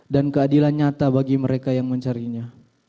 dan keadilan nyata bagi mereka yang mencarinya